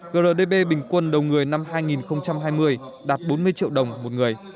grdp bình quân đầu người năm hai nghìn hai mươi đạt bốn mươi triệu đồng một người